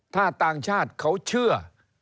ถ้าต่างชาติเขาเชื่อ